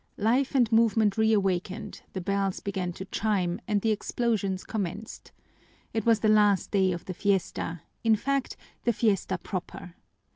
Life and movement reawakened, the bells began to chime, and the explosions commenced. It was the last day of the fiesta, in fact the fiesta proper.